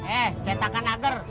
eh cetakan agar